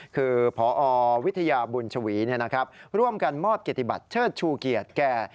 คือพอวิทยาบุญชวีร่วมกันมอบเกียรติบัตรเชิดชูเกียรติแก่